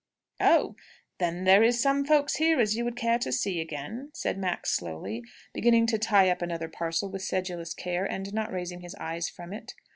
"Oh! Then there is some folks here as you would care to see again?" said Maxfield slowly, beginning to tie up another parcel with sedulous care, and not raising his eyes from it.